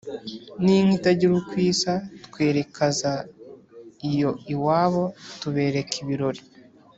n’inka itagira uko isa twerekaza iyo iwabo tubereka ibirori